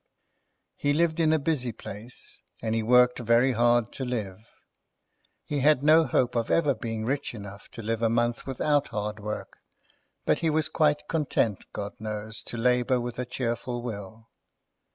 He lived in a busy place, and he worked very hard to live. He had no hope of ever being rich enough to live a month without hard work, but he was quite content, GOD knows, to labour with a cheerful will.